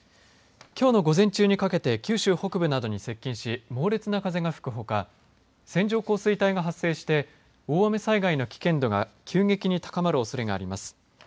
きょうの午前中にかけて九州北部などに接近し猛烈な風が吹くほか線状降水帯が発生して大雨災害の危険度が急激に高まるおそれがあります。